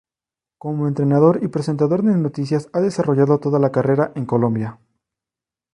Como entrenador y presentador de noticias ha desarrollado toda la carrera en Colombia.